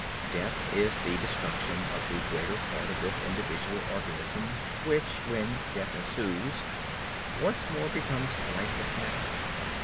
Death is the destruction of the greater part of this individual organism which, when death ensues, once more becomes lifeless matter.